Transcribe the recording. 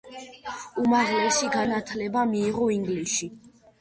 უმაღლესი განათლება მიიღო ინგლისში.